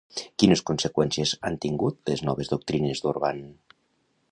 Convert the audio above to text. Quines conseqüències han tingut les noves doctrines d'Orbán?